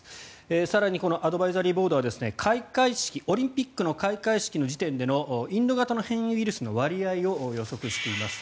更にこのアドバイザリーボードはオリンピックの開会式の時点でのインド型の変異ウイルスの割合を予測しています。